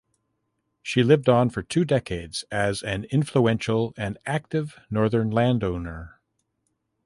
She lived on for two decades as an influential and active Northern landowner.